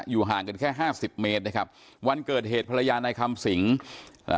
ห่างกันแค่ห้าสิบเมตรนะครับวันเกิดเหตุภรรยานายคำสิงเอ่อ